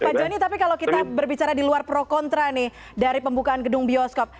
pak joni tapi kalau kita berbicara di luar pro kontra nih dari pembukaan gedung bioskop